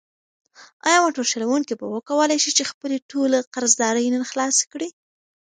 ایا موټر چلونکی به وکولی شي چې خپلې ټولې قرضدارۍ نن خلاصې کړي؟